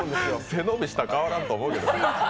背伸びしたら変わらんと思うけど。